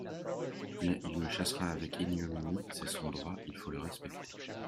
Mais il me chassera avec ignominie ! C'est son droit, il faut le respecter.